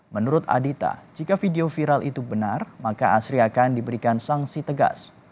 menurut adita jika video viral itu benar maka asri akan diberikan sanksi tegas